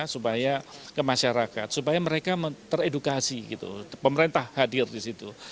supaya ke masyarakat supaya mereka teredukasi gitu pemerintah hadir di situ